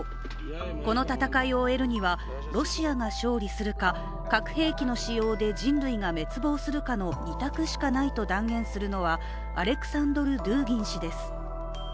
この戦いを終えるには、ロシアが勝利するか核兵器の使用で人類が滅亡するかの２択しかないと断言するのはアレクサンドル・ドゥーギン氏です。